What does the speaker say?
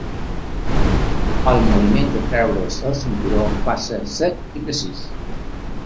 El moviment de treure's el cinturó va ser sec i precís.